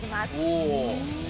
おお。